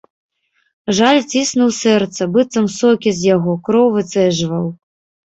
Жаль ціснуў сэрца, быццам сокі з яго, кроў выцэджваў.